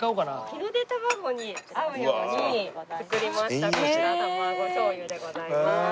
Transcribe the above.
日の出たまごに合うように造りましたこちら卵醤油でございます。